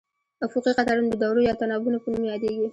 افقي قطارونه د دورو یا تناوبونو په نوم یادیږي.